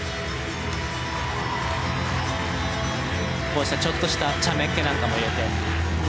こうしたちょっとしたちゃめっ気なんかも入れて。